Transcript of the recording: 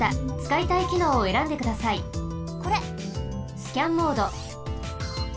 スキャンモード。